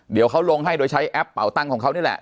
เดี๋ยวเขาลงให้โดยใช้แอปเป่าตั้งของเขานี่แหละ